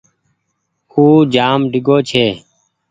اُو جآم ڍيڳو ڇي۔